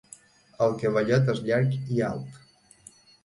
El cavallet és llarg i alt.